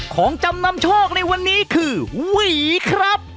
ของจำนำโชคในวันนี้คือหวีครับ